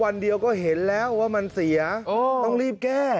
วันเดียวก็เห็นแล้วว่ามันเสียต้องรีบแก้